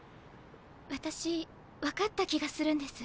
私分かった気がするんです。